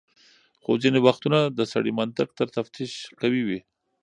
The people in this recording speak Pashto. خو ځینې وختونه د سړي منطق تر تفتيش قوي وي.